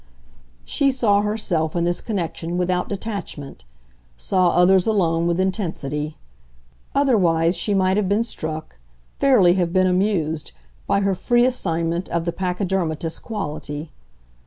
She saw herself, in this connexion, without detachment saw others alone with intensity; otherwise she might have been struck, fairly have been amused, by her free assignment of the pachydermatous quality.